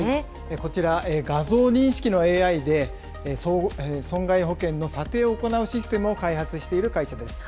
こちら、画像認識のＡＩで、損害保険の査定を行うシステムを開発している会社です。